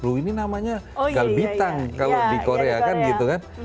loh ini namanya galbitang kalau di korea kan gitu kan